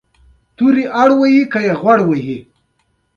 د مشتری نظر د محصول راتلونکی ټاکي.